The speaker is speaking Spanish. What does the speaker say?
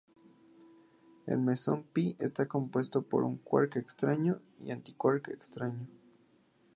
El mesón phi está compuesto por un quark extraño y un antiquark extraño.